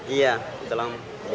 iya sudah lama